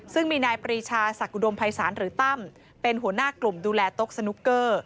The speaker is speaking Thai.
ซึ่งมีนายปรีชาศักดิอุดมภัยศาลหรือตั้มเป็นหัวหน้ากลุ่มดูแลโต๊ะสนุกเกอร์